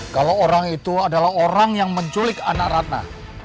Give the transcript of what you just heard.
kalau orang itu adalah orang yang menculik anak ratna